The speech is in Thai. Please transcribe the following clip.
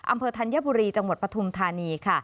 อำเภอธัญบุรีจังหวัดปฐุมธานี